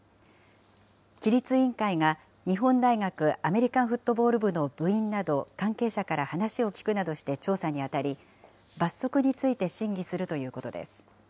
規律委員会が日本大学アメリカンフットボール部の部員など関係者から話をきくなどして調査に当たり、罰則について審議するということです。